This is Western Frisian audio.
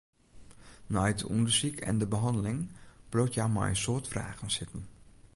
Nei it ûndersyk en de behanneling bliuwt hja mei in soad fragen sitten.